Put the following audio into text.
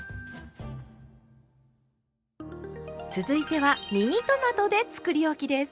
続いてはミニトマトでつくりおきです。